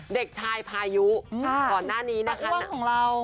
เด็กชายพายุอ่ะต่อหน้านี้นะคะตะว่างของเรา